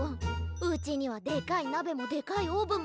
うちにはでかいなべもでかいオーブンもないし。